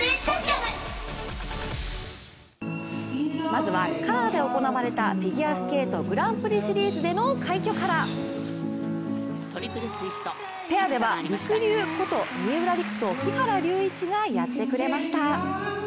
まずはカナダで行われたフィギュアスケートグランプリシリーズでの快挙からペアではりくりゅうこと三浦璃来と木原龍一がやってくれました。